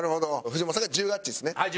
藤本さんが１０ガッチですね。